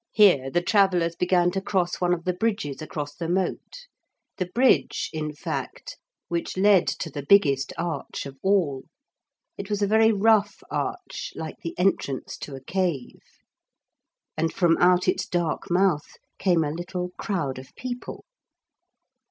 Here the travellers began to cross one of the bridges across the moat, the bridge, in fact, which led to the biggest arch of all. It was a very rough arch, like the entrance to a cave. And from out its dark mouth came a little crowd of people.